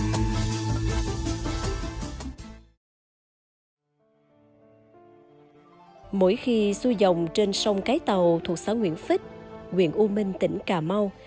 sau khi xuôi dòng trên sông cái tàu thuộc xã nguyễn phích quyền u minh tỉnh cà mau